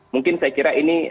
mungkin saya kira ini